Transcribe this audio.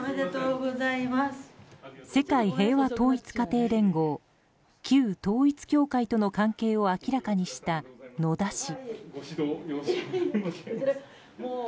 世界平和統一家庭連合旧統一教会との関係を明らかにした野田氏。